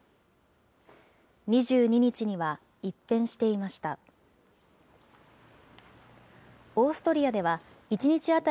２２日には一変していました。